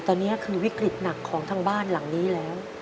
ตอนนี้คือวิกฤตหนักของทางบ้านหลังนี้แล้ว